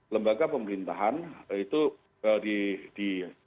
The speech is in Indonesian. lembaga pemerintahan itu di